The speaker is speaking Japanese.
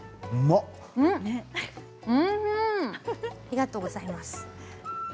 ありがとうございます。